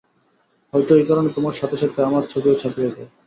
হয়তো এই কারণে তোমার সাথে সাথে আমার ছবিও ছাপিয়ে দেয়।